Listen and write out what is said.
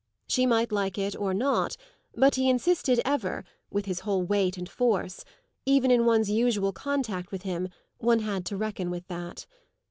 She might like it or not, but he insisted, ever, with his whole weight and force: even in one's usual contact with him one had to reckon with that.